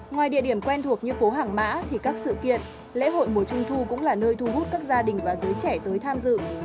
ngoài địa điểm quen thuộc như phố hàng mã thì các sự kiện lễ hội mùa trung thu cũng là nơi thu hút các gia đình và giới trẻ tới tham dự